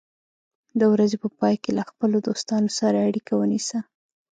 د ورځې په پای کې له خپلو دوستانو سره اړیکه ونیسه.